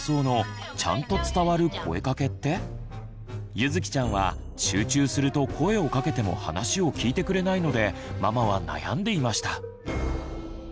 ゆづきちゃんは集中すると声をかけても話を聞いてくれないのでママは悩んでいました。